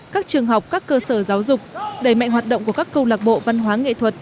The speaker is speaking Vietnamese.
các trường học các cơ sở giáo dục đẩy mạnh hoạt động của các câu lạc bộ văn hóa nghệ thuật